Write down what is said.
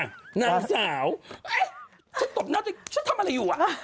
นางสาวฉันตบหน้าตัวเองฉันทำอะไรอยู่อ่ะ